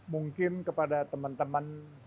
mungkin kepada teman teman